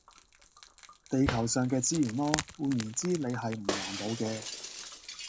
地球上嘅資源囉，換言之你係唔環保嘅